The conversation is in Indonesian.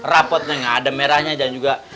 rapotnya ada merahnya dan juga